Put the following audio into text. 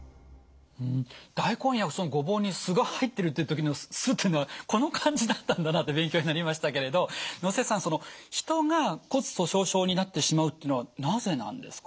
大根やごぼうに鬆が入ってるっていう時の鬆っていうのはこの漢字だったんだなって勉強になりましたけれど能瀬さん人が骨粗しょう症になってしまうっていうのはなぜなんですか？